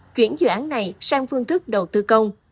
chuyển dự án này sang phương thức đầu tư công